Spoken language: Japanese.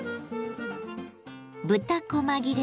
豚こま切れ